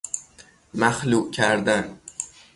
مخلوع کردن